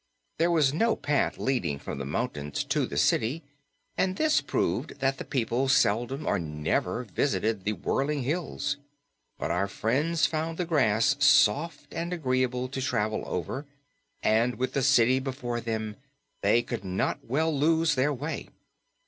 There was no path leading from the mountains to the city, and this proved that the people seldom or never visited the whirling hills, but our friends found the grass soft and agreeable to travel over, and with the city before them they could not well lose their way.